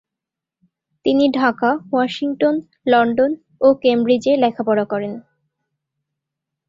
তিনি Dhaka, Washington, London ও কেমব্রিজে লেখাপড়া করেন।